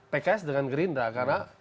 pks dengan gerindra karena